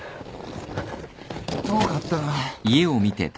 遠かったな。